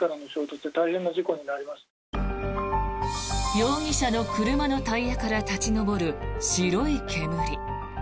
容疑者の車のタイヤから立ち上る白い煙。